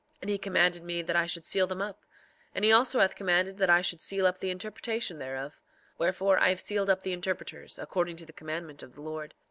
And he commanded me that I should seal them up; and he also hath commanded that I should seal up the interpretation thereof; wherefore I have sealed up the interpreters, according to the commandment of the Lord.